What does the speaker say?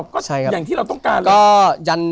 ก็อย่างที่เราต้องการแล้ว